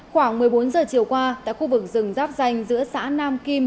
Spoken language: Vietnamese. khoảng một mươi bốn giờ chiều qua tại khu vực rừng giáp danh giữa xã nam kim